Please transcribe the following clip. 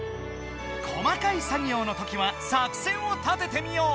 細かい作業のときは作戦を立ててみよう！